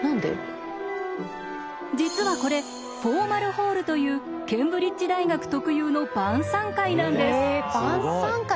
実はこれフォーマルホールというケンブリッジ大学特有の晩さん会なんです！